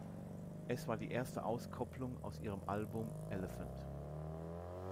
Es war die erste Auskopplung aus ihrem Album "Elephant".